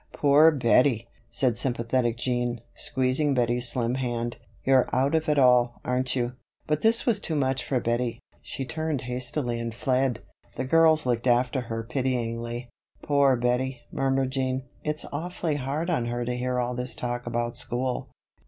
"Poor Bettie!" said sympathetic Jean, squeezing Bettie's slim hand. "You're out of it all, aren't you?" But this was too much for Bettie. She turned hastily and fled. The girls looked after her pityingly. "Poor Bettie!" murmured Jean. "It's awfully hard on her to hear all this talk about school.